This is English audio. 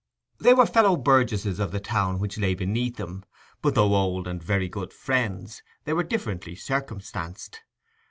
They were fellow burgesses of the town which lay beneath them, but though old and very good friends, they were differently circumstanced.